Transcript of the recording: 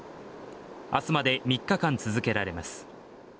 明日まで３日間続けられます